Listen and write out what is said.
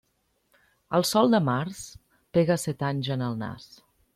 El sol de març pega set anys en el nas.